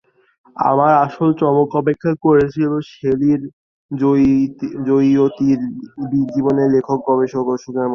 আমার আসল চমক অপেক্ষা করছিল শেলীর জজিয়তির জীবনে লেখক-গবেষক জীবনের সূচনার মধ্যে।